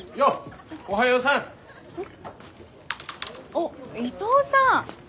あっ伊藤さん！